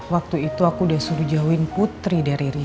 waktu itu aku udah suruh jauhin putri dari rizk